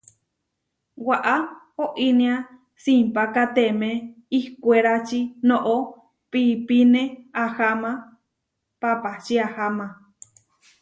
Waʼá oinéa simpákateme ihkwérači, noʼó piípine aháma papáči aháma.